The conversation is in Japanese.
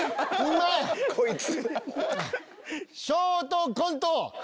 ショートコント